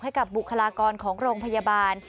ให้กับบุคลากรของโรงพยาบาล